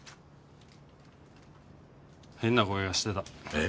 変な声がしてたえッ？